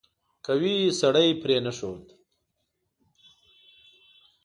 قوي سړی پرې نه ښود.